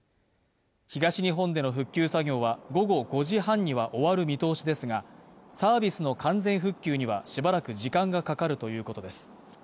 東日本での復旧作業は午後５時半には終わる見通しですが、サービスの完全復旧にはしばらく時間がかかるということです。